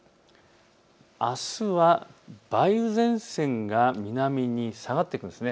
あすは梅雨前線が南に下がってくるんです。